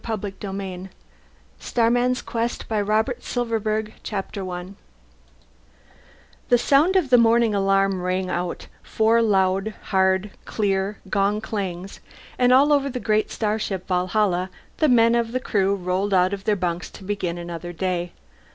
Sociocultural Dynamics Leonid Hallman London, 3876 Chapter One The sound of the morning alarm rang out, four loud hard clear gong clangs, and all over the great starship Valhalla the men of the Crew rolled out of their bunks to begin another day.